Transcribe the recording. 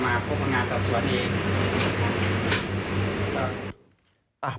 ขอบคุณครับ